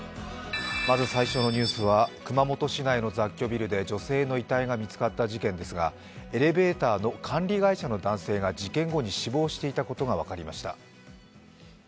まず最初のニュースは熊本市内の雑居ビルで女性の遺体が見つかった事件ですがエレベーターの管理会社の男性が事件後に死亡していたことが分かりました。